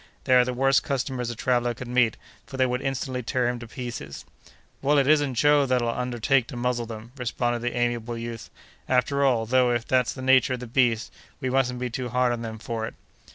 They are the worst customers a traveller could meet, for they would instantly tear him to pieces." "Well, it isn't Joe that'll undertake to muzzle them!" responded that amiable youth. "After all, though, if that's the nature of the beast, we mustn't be too hard on them for it!"